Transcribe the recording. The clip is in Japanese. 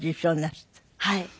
はい。